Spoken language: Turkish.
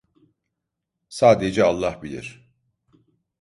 Sadece Allah bilir.